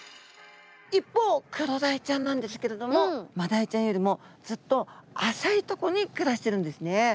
一方クロダイちゃんなんですけれどもマダイちゃんよりもずっと浅いとこに暮らしてるんですね。